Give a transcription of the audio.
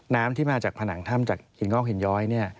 น้ำที่มาจากผนังถ้ำจากหินงอกหินย้อย